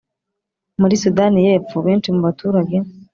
muri sudani y’epfo, benshi mu baturage